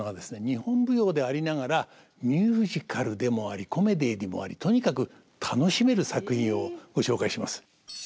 日本舞踊でありながらミュージカルでもありコメディーでもありとにかく楽しめる作品をご紹介します。